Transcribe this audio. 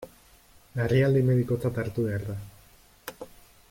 Larrialdi medikotzat hartu behar da.